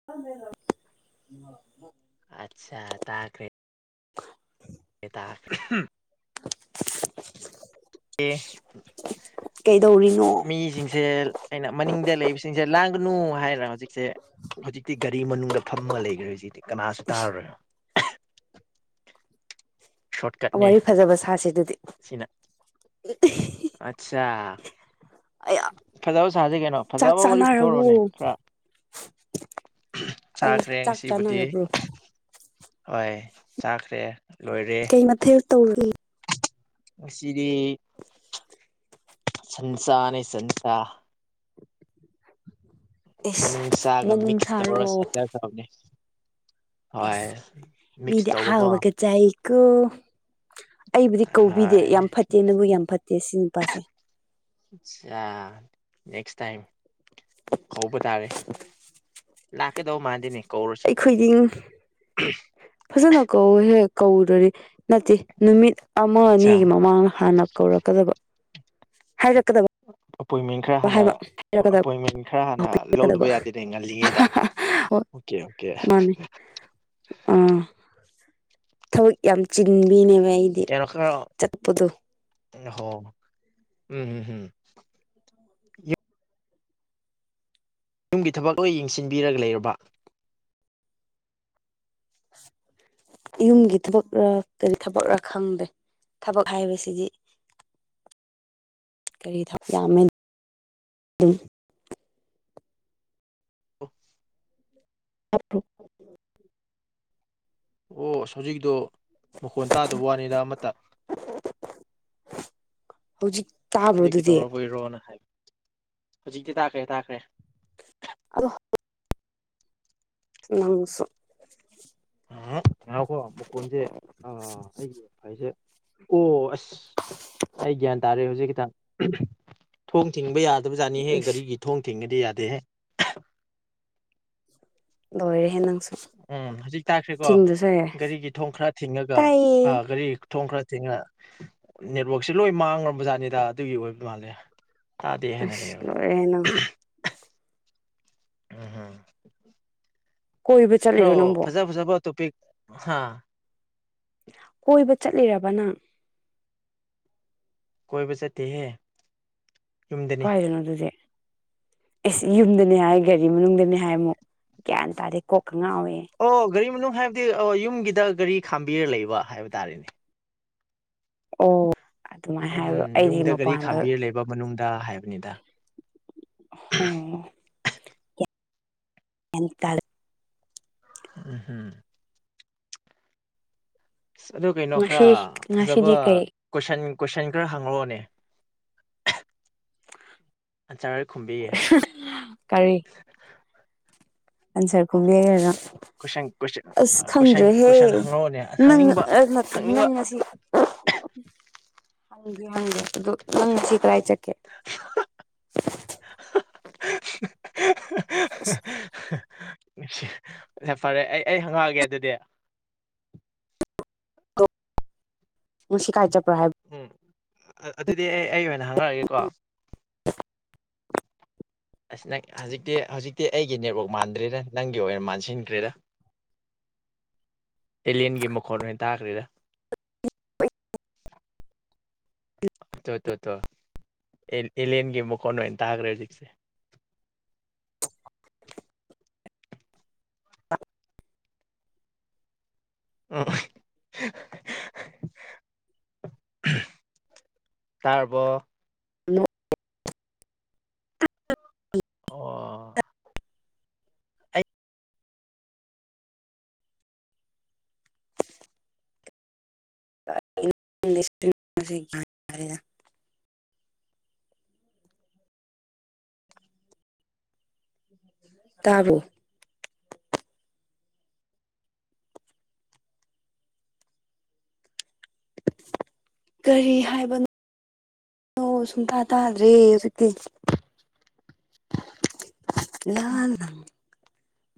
[unintelligible] ꯑꯠꯁꯥ ꯇꯥꯈ꯭ꯔꯦ [unintelligible] [unintelligible] ꯑꯦ ꯀꯩꯗꯧꯔꯤꯅꯣ ꯃꯤꯁꯤꯡꯁꯦ ꯑꯩꯅ ꯃꯅꯤꯡꯗ ꯂꯩꯕꯁꯤꯡꯁꯦ ꯂꯥꯡꯒꯅꯨ ꯍꯥꯏꯔꯥ ꯍꯧꯖꯤꯛꯁꯦ ꯍꯧꯖꯤꯛꯇꯤ ꯒꯥꯔꯤ ꯃꯅꯨꯡꯗ ꯐꯝꯃꯒ ꯂꯩꯒꯔꯦ ꯁꯤꯗꯤ ꯀꯅꯥꯁꯨ ꯇꯥꯔꯔꯣꯏ ꯀꯠꯅꯦ ꯋꯥꯔꯤ ꯐꯖꯕ ꯁꯥꯁꯦ ꯑꯗꯨꯗꯤ ꯁꯤꯅ ꯑꯠꯁꯥ ꯑꯌꯥ ꯐꯖꯕ ꯁꯥꯁꯤ ꯀꯩꯅꯣ ꯆꯥꯛ ꯐꯖꯕ ꯋꯥꯔꯤ ꯄꯨꯊꯣꯔꯛꯑꯣꯅꯦ ꯆꯥꯅꯔꯕꯣ ꯈꯔ ꯑꯁ ꯆꯥꯈ꯭ꯔꯦ ꯆꯥꯛ ꯉꯁꯤꯕꯨꯗꯤ ꯆꯥꯅꯔꯕ꯭ꯔꯣ ꯍꯣꯏ ꯆꯥꯈ꯭ꯔꯦ ꯂꯣꯏꯔꯦ ꯀꯩ ꯃꯊꯦꯜ ꯇꯧꯔꯤ ꯉꯥꯁꯤꯗꯤ ꯁꯟꯁꯥꯅꯤ ꯁꯟꯁꯥ ꯏꯁ ꯃꯅꯨꯡꯁꯥꯒ ꯃꯅꯨꯡ ꯃꯤꯛꯁ ꯇꯧꯔ ꯁꯥꯔꯣ [unintelligible] ꯍꯣꯏ ꯏꯁ ꯃꯤꯛꯁ ꯃꯤꯗꯤ ꯇꯧꯕꯀꯣ ꯑꯍꯥꯎꯕꯀ ꯆꯥꯏꯀꯣ ꯑꯩꯕꯨꯗꯤ ꯀꯧꯕꯤꯗꯦ ꯍꯣꯏ ꯌꯥꯝ ꯐꯠꯇꯦ ꯅꯪꯕꯨꯛ ꯌꯥꯝ ꯐꯠꯇꯦ ꯁꯤ ꯅꯨꯄꯥꯁꯦ ꯑꯆꯥ ꯅꯦꯛꯁ ꯇꯥꯏꯝ ꯀꯧꯕ ꯇꯥꯔꯦ ꯂꯥꯛꯀꯗꯧ ꯃꯥꯟꯗꯩꯅꯦ ꯑꯩꯈꯣꯏꯗꯤꯡ ꯐꯖꯅ ꯀꯧꯋꯦꯍꯦ ꯀꯧꯗ꯭ꯔꯗꯤ ꯅꯠꯇꯦ ꯅꯨꯃꯤꯠ ꯑꯃ ꯑꯠꯆꯥ ꯑꯅꯤꯒꯤ ꯃꯃꯥꯡꯗ ꯍꯥꯟꯅ ꯀꯧꯔꯛꯀꯗꯕ ꯍꯥꯏꯔꯛꯀꯗꯕ ꯑꯄꯣꯏꯟꯃꯦꯟ ꯈꯔ ꯍꯥꯟꯅ ꯍꯥꯏꯕ ꯑꯄꯣꯏꯟꯃꯦꯟ ꯈꯔ ꯍꯥꯟꯅ ꯍꯥꯏꯔꯛꯀꯗꯕꯄꯤꯔꯛꯀꯗꯕ ꯂꯧꯗꯕ ꯌꯥꯗꯦꯅꯦ ꯉꯜꯂꯤꯉꯩꯗ ꯍꯣꯏ ꯑꯣꯀꯦ ꯑꯣꯀꯦ ꯃꯥꯅꯦ ꯑꯥ ꯊꯕꯛ ꯌꯥꯝ ꯆꯤꯟꯕꯤꯅꯦꯕ ꯑꯩ ꯀꯩꯅꯣ ꯈꯔꯥ [unintelligible] ꯎꯝ ꯍꯝ ꯍꯨꯝ ꯌꯨꯝꯒꯤ ꯊꯕꯛ ꯂꯣꯏ ꯌꯦꯡꯁꯤꯟꯕꯤꯔꯒ ꯂꯩꯔꯕ ꯌꯨꯝꯒꯤ ꯊꯕꯛꯔ ꯀꯔꯤ ꯊꯕꯛꯔ ꯈꯪꯗꯦ ꯊꯕꯛ ꯍꯥꯏꯕꯁꯤꯗꯤ [inaudible] ꯀꯔꯤ ꯊꯕ ꯌꯥꯝꯃꯦꯅ ꯗꯨꯝ ꯑꯣ [unintelligible] ꯑꯣ ꯑꯁ ꯍꯧꯖꯤꯛꯀꯤꯗꯣ ꯃꯈꯣꯟ ꯇꯥꯗꯕ ꯋꯥꯅꯤꯗ ꯑꯃꯠꯇ ꯍꯧꯖꯤꯛ ꯇꯥꯕ꯭ꯔꯣ ꯑꯩꯗꯤ ꯑꯗꯨꯗꯤ ꯀꯩꯗꯧꯔꯕꯣꯢꯔꯣꯅ ꯍꯥꯏ ꯍꯧꯖꯤꯛꯇꯤ ꯇꯥꯛꯈ꯭ꯔꯦ ꯇꯥꯈ꯭ꯔꯦ [unintelligible] ꯅꯪꯁꯨ ꯑ ꯉꯥꯢꯑꯣꯀꯣ ꯃꯈꯣꯟꯖꯦ ꯑꯥ ꯑꯩꯒꯤꯐꯥꯏꯁꯦ ꯑꯣ ꯑꯁ ꯑꯩ ꯒ꯭ꯌꯥꯟ ꯇꯥꯔꯦ ꯍꯧꯖꯤꯛꯈꯤꯇ ꯊꯣꯡ ꯊꯤꯡꯕ ꯌꯥꯗꯕꯖꯥꯠꯅꯤꯍꯦ ꯏꯁ ꯒꯥꯔꯤꯒꯤ ꯊꯣꯡ ꯊꯤꯡꯉꯗꯤ ꯌꯥꯗꯦꯍꯦ ꯂꯣꯏꯔꯦ ꯍꯦ ꯅꯪꯁꯨ ꯎꯝ ꯍꯧꯖꯤꯛ ꯇꯥꯈ꯭ꯔꯦꯀꯣ ꯊꯤꯡꯗꯁꯨ ꯍꯩꯔꯦ ꯒꯥꯔꯤꯒꯤ ꯊꯣꯡ ꯈꯔ ꯊꯤꯡꯉꯒ ꯇꯥꯏꯌꯦ ꯑ ꯒꯥꯔꯤ ꯊꯣꯡ ꯈꯔ ꯊꯤꯡꯉ ꯅꯦꯠꯋ꯭ꯔꯛꯁꯦ ꯂꯣꯏ ꯃꯥꯡꯉꯕ ꯖꯥꯠꯅꯤꯗ ꯑꯗꯨꯒꯤ ꯑꯣꯏꯕ ꯃꯥꯜꯂꯦ ꯇꯥꯗꯦ ꯍꯥꯏꯅ ꯑꯁ ꯂꯩꯔꯕ ꯂꯣꯢꯔꯦꯍꯦ ꯅꯪꯁꯨ ꯎꯝꯍ ꯀꯣꯏꯕ ꯈ꯭ꯔꯥ ꯆꯠꯂꯤꯔꯣ ꯅꯪꯕꯣ ꯐꯖ ꯐꯖꯕ ꯇꯣꯄꯤꯛ ꯍꯥ ꯀꯣꯏꯕ ꯆꯠꯂꯤꯔꯕ ꯅꯪ ꯀꯣꯏꯕ ꯆꯠꯇꯦꯍꯦ ꯌꯨꯝꯗꯅꯤ ꯀꯥꯏꯗꯅꯣ ꯑꯗꯨꯗꯤ ꯏꯁ ꯌꯨꯝꯗꯅꯤ ꯍꯥꯏ ꯒꯥꯔꯤ ꯃꯅꯨꯡꯗꯅꯤ ꯍꯥꯏꯃꯨꯛ ꯒ꯭ꯌꯥꯟ ꯇꯥꯗꯦ ꯀꯣꯛꯀ ꯉꯥꯎꯋꯦꯍꯦ ꯑꯣ ꯒꯥꯔꯤ ꯃꯅꯨꯡ ꯍꯥꯏꯕꯗꯤ ꯑꯣ ꯌꯨꯝꯒꯤꯗ ꯒꯥꯔꯤ ꯈꯥꯝꯕꯤꯔ ꯂꯩꯕ ꯍꯥꯏꯕ ꯇꯥꯔꯦꯅꯦ ꯑꯣ ꯑꯗꯨꯃꯥꯏꯅ ꯎꯝ ꯍꯥꯏꯕ꯭ꯔꯣ ꯑꯩꯗꯤ ꯌꯨꯝꯗ ꯒꯥꯔꯤ ꯃꯄꯥꯟꯗ ꯈꯥꯝꯕꯤꯔ ꯂꯩꯕ ꯃꯅꯨꯡꯗ ꯍꯥꯏꯕꯅꯤꯗ ꯑꯣ ꯑꯦꯟꯇꯥꯂꯞ ꯎꯝ ꯍꯝ ꯑꯁ ꯑꯗꯨ ꯀꯩꯅꯣ ꯈꯔ ꯉꯁꯤ ꯐꯖꯕ ꯉꯁꯤꯗꯤ ꯀꯩ ꯀꯣꯏꯁꯟ ꯀꯣꯏꯁꯟ ꯈꯔ ꯍꯪꯔꯛꯑꯣꯅꯦ ꯑꯟꯁꯔ ꯈꯨꯝꯕꯤꯒꯦ ꯀꯔꯤ ꯑꯟꯁꯔ ꯈꯨꯝꯒꯦ ꯍꯥꯏꯔꯤꯅꯣ ꯀꯣꯏꯁꯟ ꯀꯣꯏꯁꯟ ꯑꯁ ꯀꯣꯏꯁꯟ ꯈꯪꯗ꯭ꯔꯦꯍꯦ ꯀꯣꯏꯁꯟ ꯍꯪꯉꯛꯑꯣꯅꯦ ꯅꯪ ꯍꯪꯅꯤꯡꯕ ꯑ ꯅꯠꯇꯦ ꯍꯪꯅꯤꯡꯕ ꯅꯪ ꯉꯁꯤ [unintelligible] ꯑꯗꯨ ꯅꯪ ꯉꯁꯤ ꯀ꯭ꯔꯥꯢ ꯆꯠꯀꯦ [unintelligible] ꯌꯥꯝ ꯐꯔꯦ ꯑꯩ ꯑꯩ ꯍꯪꯉꯛꯑꯒꯦ ꯑꯗꯨꯗꯤ ꯉꯁꯤ ꯀꯥꯏ ꯆꯠꯄ꯭ꯔ ꯍꯥꯏ ꯎꯝ ꯑꯗꯨꯗꯤ ꯑꯩ ꯑꯩ ꯑꯣꯏꯅ ꯍꯪꯉꯛꯑꯒꯦꯀꯣ ꯑꯁ ꯅꯪ ꯍꯧꯖꯤꯛꯇꯤ ꯍꯧꯖꯤꯛꯇꯤ ꯑꯩꯒꯤ ꯅꯦꯠꯋꯥꯛ ꯃꯥꯟꯗ꯭ꯔꯦꯗ ꯅꯪꯒꯤ ꯑꯣꯏꯅ ꯃꯥꯟꯁꯤꯟꯈ꯭ꯔꯦꯗ ꯑꯦꯂꯤꯌꯦꯟꯒꯤ ꯃꯈꯣꯟ ꯑꯣꯏꯅ ꯇꯥꯈ꯭ꯔꯦꯗ ꯇꯣ ꯇꯣ ꯇꯣ ꯑꯦ ꯑꯦꯂꯤꯌꯦꯟꯒꯤ ꯃꯈꯣꯟ ꯑꯣꯏꯅ ꯇꯥꯈ꯭ꯔꯦ ꯍꯧꯖꯤꯛꯁꯦ ꯑꯣ ꯍ ꯍ ꯇꯥꯔꯕꯣ ꯅꯣ [unintelligible] ꯑꯣ [inaudible] ꯇꯥꯕ꯭ꯔ‌ꯣ ꯀꯔꯤ ꯍꯥꯏꯕꯅꯣ ꯅꯣ ꯁꯨꯡꯇꯥ ꯇꯥꯗ꯭ꯔꯦ ꯍꯧꯖꯤꯛꯇꯤ ꯅꯍꯥꯟ